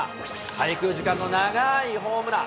滞空時間の長いホームラン。